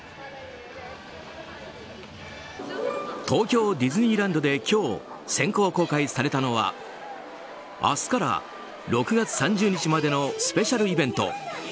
東京ディズニーランドで今日先行公開されたのは明日から６月３０日までのスペシャルイベント